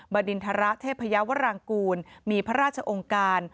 บดินทรเทพยาวรางกูลมีพระราชองค์การ